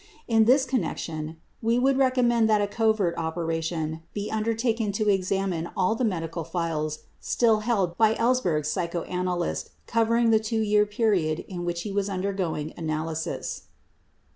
In this connection we would recommend that a covert operation be undertaken to exam ine all the medical files still held by Ellsberg's psychoanalyst covering the two year period in which he was undergoing analysis.